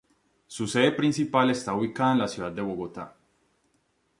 Su sede principal está ubicada en la ciudad de Bogotá.